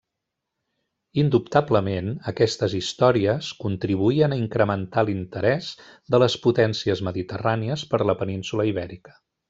Indubtablement, aquestes històries contribuïen a incrementar l'interès de les potències mediterrànies per la península Ibèrica.